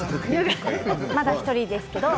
まだ１人ですけど。